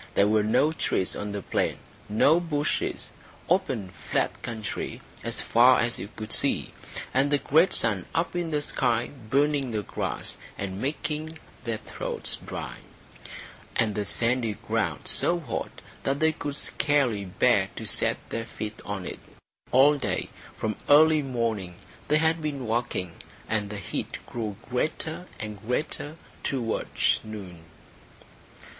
There were no trees on the plain, no bushes; open flat country as far as you could see, and the great sun up in the sky burning the grass and making their throats dry, and the sandy ground so hot that they could scarcely bear to set their feet on it. All day from early morning they had been walking, and the heat grew greater and greater towards noon.